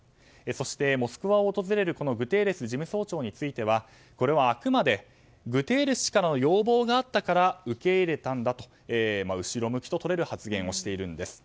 そして、モスクワを訪れるグテーレス事務総長についてはこれは、あくまでグテーレス氏からの要望があったから受け入れたんだと後ろ向きと取れる発言をしているんです。